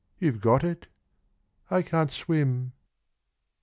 You've got it !' 'I can 't swim.'